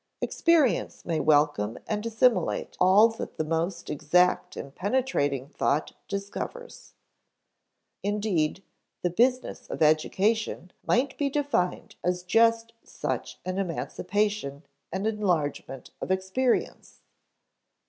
Experience may welcome and assimilate all that the most exact and penetrating thought discovers. Indeed, the business of education might be defined as just such an emancipation and enlargement of experience.